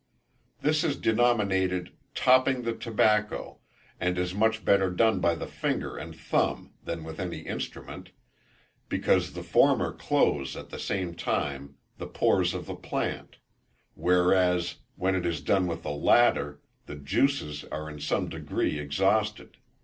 This is denominated "topping the tobacco," and is much better done by the finger and thumb, than with any instrument, because the former close, at the same time, the pores of the plant; whereas, when it is done with the latter, the juices are in some degree exhausted.